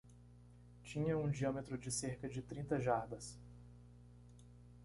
Tinha um diâmetro de cerca de trinta jardas.